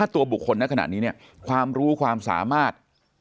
ตัวบุคคลในขณะนี้เนี่ยความรู้ความสามารถ